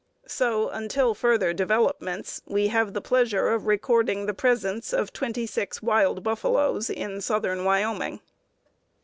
So, until further developments, we have the pleasure of recording the presence of twenty six wild buffaloes in southern Wyoming.